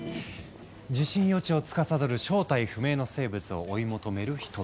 地震予知をつかさどる正体不明の生物を追い求める人々。